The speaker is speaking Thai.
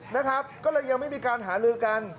นะครับก็เลยยังไม่มีการหาลือกัน